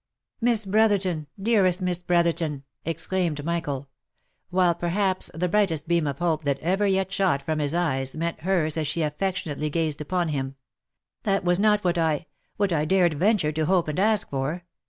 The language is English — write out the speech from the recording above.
" Miss Brotherton ! dearest Miss Brotherton !" exclaimed Michael — while perhaps the brightest beam of hope that ever yet shot from his eyes, met hers as she affectionately gazed upon him, " that was not what I — what I dared venture to hope and ask for.